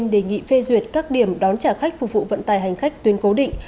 đề nghị phê duyệt các điểm đón trả khách phục vụ vận tải hành khách tuyến cố định